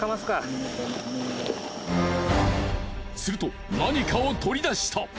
すると何かを取り出した。